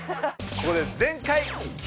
ここで全開Ｑ！